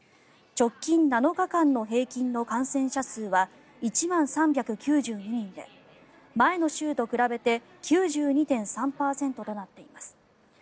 直近７日間の平均の感染者数は１万３９２人で、前の週と比べて９２．３％となっています。